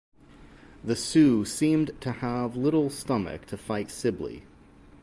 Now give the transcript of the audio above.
The Sioux seemed to have little stomach to fight Sibley.